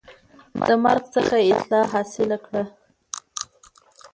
د مرګ څخه یې اطلاع حاصل کړه